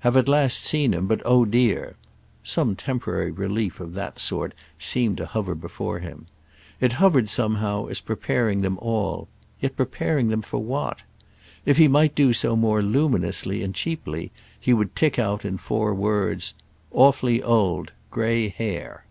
"Have at last seen him, but oh dear!"—some temporary relief of that sort seemed to hover before him. It hovered somehow as preparing them all—yet preparing them for what? If he might do so more luminously and cheaply he would tick out in four words: "Awfully old—grey hair."